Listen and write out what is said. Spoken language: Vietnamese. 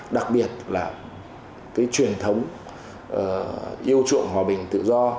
đặc biệt là cái truyền thống yêu chuộng hòa bình tự do